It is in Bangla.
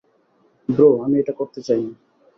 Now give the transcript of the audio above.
ব্রো, আমি এটা করতে চাই না।